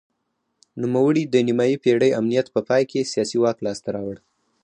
نوموړي د نیمايي پېړۍ امنیت په پای کې سیاسي واک لاسته راوړ.